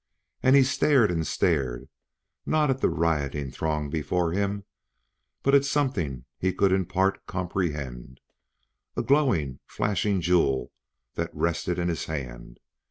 And he stared and stared, not at the rioting throng before him, but at something he could in part comprehend a glowing, flashing jewel that rested in his hand.